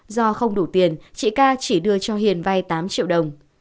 do không đủ tiền chị ca chỉ đưa cho hiền vay tám triệu đồng